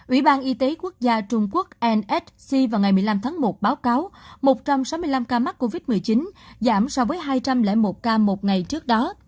ủy ban y tế quốc gia trung quốc nsc vào ngày một mươi năm tháng một báo cáo một trăm sáu mươi năm ca mắc covid một mươi chín giảm so với hai trăm linh một ca một ngày trước đó